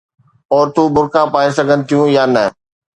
عورتون برقع پائي سگهن ٿيون يا نه.